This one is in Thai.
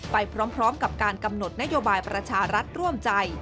ไปพร้อมกับการกำหนดนโยบายประชารัฐร่วมใจ